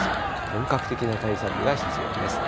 本格的な対策が必要です。